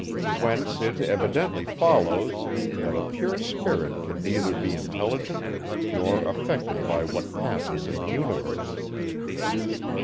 Whence it evidently follows, that a pure spirit can neither be intelligent, nor affected by what passes in the universe.